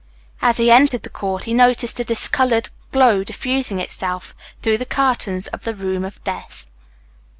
As he entered the court he noticed a discoloured glow diffusing itself through the curtains of the room of death.